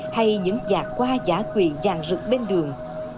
hay những giạc qua giả quỳ dàn rực bên đường